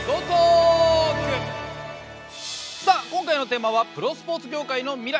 さあ今回のテーマはプロスポーツ業界の未来。